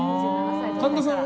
神田さんは？